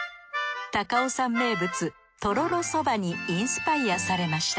高尾山名物とろろそばにインスパイアされました。